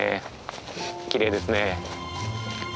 きれいですね。